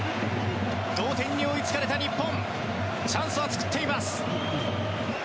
同点に追いつかれた日本チャンスは作っています。